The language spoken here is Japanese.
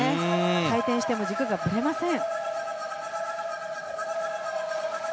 回転しても軸がぶれません。